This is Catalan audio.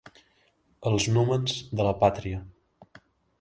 Els númens de la pàtria.